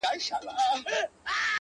ډبرینه یې قلا لیري له ښاره-